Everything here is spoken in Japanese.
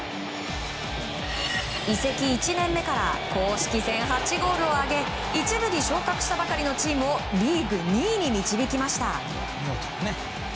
移籍１年目から公式戦８ゴールを挙げ１部に昇格したばかりのチームをリーグ２位に導きました。